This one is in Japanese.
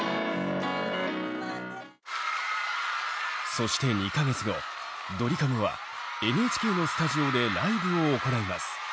そして２か月後ドリカムはＮＨＫのスタジオでライブを行います。